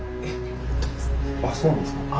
あっそうなんですか。